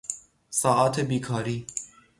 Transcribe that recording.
ساعات بیکاری